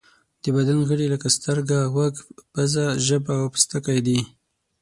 د بدن غړي لکه سترګه، غوږ، پزه، ژبه او پوستکی دي.